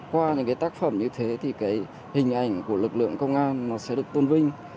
qua những tác phẩm như thế thì hình ảnh của lực lượng công an sẽ được tôn vinh